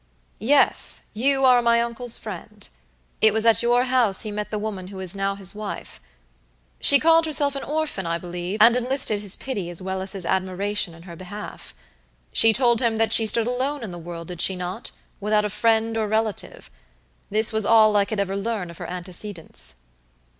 "Yes, you are my uncle's friend. It was at your house he met the woman who is now his wife. She called herself an orphan, I believe, and enlisted his pity as well as his admiration in her behalf. She told him that she stood alone in the world, did she not?without a friend or relative. This was all I could ever learn of her antecedents."